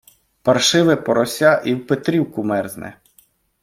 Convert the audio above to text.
Паршиве порося і в Петрівку мерзне.